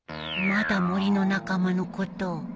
まだ森の仲間のことを